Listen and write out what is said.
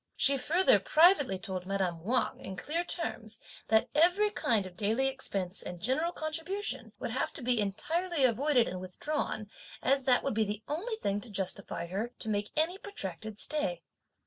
She further privately told madame Wang in clear terms, that every kind of daily expense and general contribution would have to be entirely avoided and withdrawn as that would be the only thing to justify her to make any protracted stay.